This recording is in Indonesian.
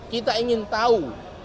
kita ingin tahu